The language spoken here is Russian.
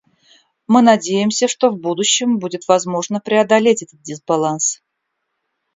Мы надеемся, что в будущем будет возможно преодолеть этот дисбаланс.